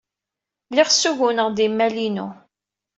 Lliɣ ssuguneɣ-d imal-inu.